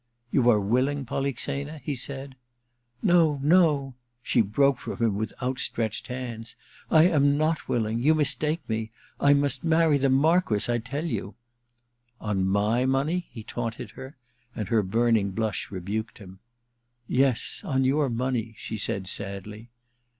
* You are willing, Polixena ?' he said. * No, no !' She broke from him with out stretched hands. *I am not willing. You mistake me. I must marry the Marquess, I tell you !On my money ?' he taunted her ; and her burning blush rebuked him. * Yes, on your money,' she said sadly.